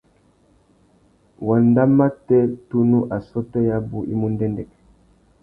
Wanda matê tunu assôtô yabú i mú ndêndêk.